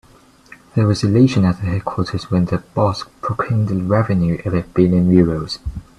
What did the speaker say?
There was elation at the headquarters when the boss proclaimed the revenue of a billion euros.